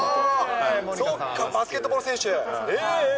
そうか、バスケットボール選手。